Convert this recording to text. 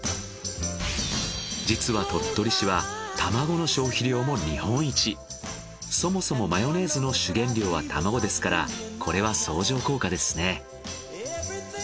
実は鳥取市はそもそもマヨネーズの主原料は卵ですからこれは相乗効果ですね。